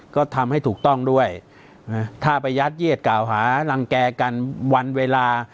ก็ทำให้ถูกต้องด้วยถ้าไปยัดเยียดกล่าวหารังแก่กันวันเวลา